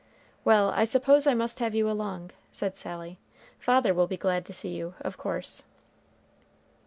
"Well, I suppose I must have you along," said Sally. "Father will be glad to see you, of course."